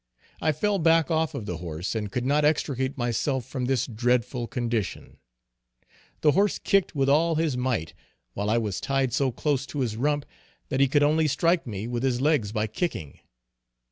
I fell back off of the horse and could not extricate myself from this dreadful condition; the horse kicked with all his might while I was tied so close to his rump that he could only strike me with his legs by kicking.